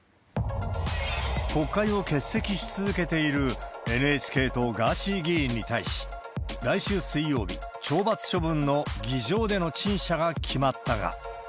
国会を欠席し続けているＮＨＫ党、ガーシー議員に対し、来週水曜日、懲罰処分の議場での陳謝が決まったが。